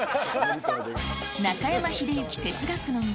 中山秀征哲学の道。